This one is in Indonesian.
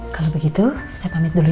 kalau begitu saya pamit dulu